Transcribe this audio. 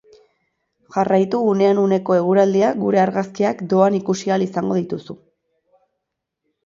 Jarraitu unean uneko eguraldia gure argazkiak doan ikusi ahal izango dituzu.